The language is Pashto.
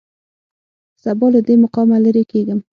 سبا له دې مقامه لېرې کېږم.